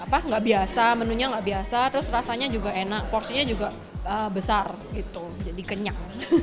apa nggak biasa menunya nggak biasa terus rasanya juga enak porsinya juga besar gitu jadi kenyang